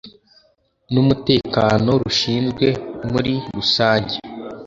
n Umutekano rushinzwe muri rusange